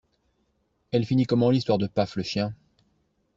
Elle finit comment l'histoire de Paf le chien?